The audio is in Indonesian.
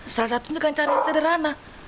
salah satunya dengan cara yang sederhana